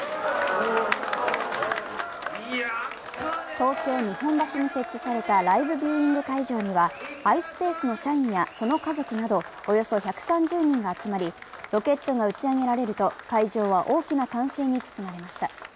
東京・日本橋に設置されたライブビューイング会場には、ｉｓｐａｃｅの社員やその家族などおよそ１３０人が集まり、ロケットが打ち上げられると、会場は大きな歓声に包まれました。